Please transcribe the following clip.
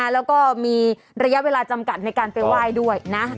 แล้วก็มีระยะเวลาจำกัดในการไปไหว้ด้วยนะ